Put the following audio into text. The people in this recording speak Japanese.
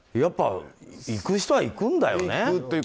行く人は行くんだよね。